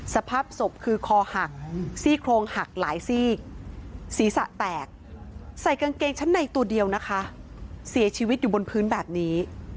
เสียชีวิตอยู่บนพื้นแบบนี้